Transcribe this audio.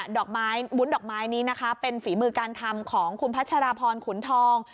ดอกไม้วุ้นดอกไม้นี้นะคะเป็นฝีมือการทำของคุณพัชราพรขุนทอง